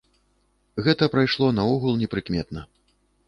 Гэта прайшло наогул непрыкметна.